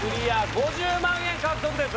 ５０万円獲得です。